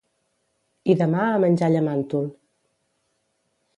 I demà a menjar llamàntol